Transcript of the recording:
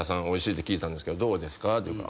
おいしいって聞いたんですけどどうですか？」